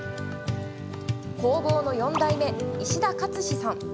工房の４代目、石田勝士さん。